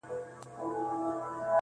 په یوه حمله یې پورته کړه له مځکي.!